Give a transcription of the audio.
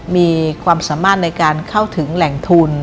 มีความสามารถในการเข้าถึงแหล่งทุน